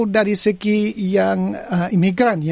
dari segi yang imigran